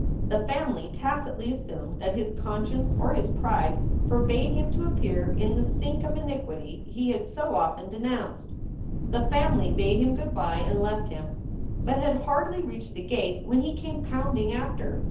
The family tacitly assumed that his conscience or his pride forbade him to appear in the sink of iniquity he had so often denounced. The family bade him good by and left him, but had hardly reached the gate when he came pounding after.